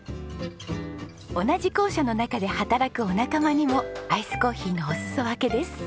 同じ校舎の中で働くお仲間にもアイスコーヒーのお裾分けです。